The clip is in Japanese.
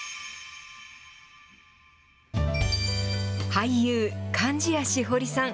俳優、貫地谷しほりさん。